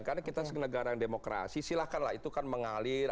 karena kita sebuah negara yang demokrasi silakanlah itu kan mengalir